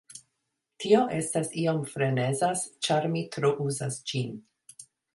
Tio estas iom frenezas ĉar mi tro uzas ĝin.